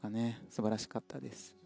素晴らしかったです。